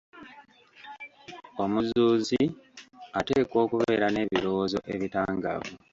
Omuzuuzi ateekwa okubeera n'ebirowoozo ebitangaavu.